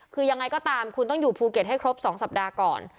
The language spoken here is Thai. คือยังไงก็ตามคุณต้องอยู่ภูเก็ตให้ครบ๒สัปดาห์ก่อน